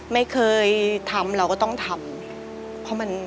ไม่เคยทำเราก็ต้องทำ